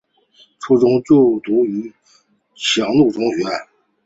初中就读于强恕中学。